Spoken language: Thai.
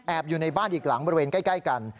อยู่ในบ้านอีกหลังบริเวณใกล้กัน